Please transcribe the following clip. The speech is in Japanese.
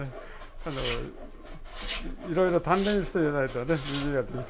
いろいろ鍛錬していないとね。